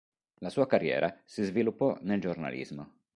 La sua carriera si sviluppò nel giornalismo.